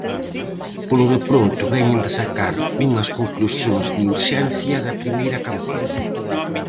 Polo de pronto, veñen de sacar unhas conclusións de "urxencia" da primeira campaña.